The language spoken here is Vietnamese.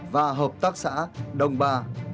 và hợp tác xã đồng ba